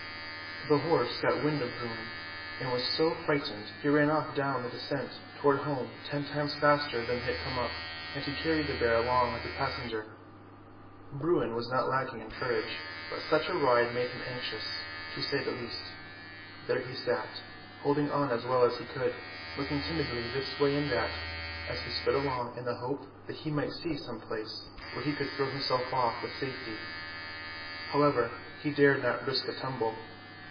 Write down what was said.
The horse got wind of Bruin, and was so frightened he ran off down the descent toward home ten times faster than he had come up, and he carried the bear along as a passenger. Bruin was not lacking in courage, but such 170 Fairy Tale Bears a ride made him anxious, to say the least. There he sat holding on as well as he could, looking timidly this way and that as he sped along in the hope that he might see some place where he could throw himself off with safety. However, he dared not risk a tum ble.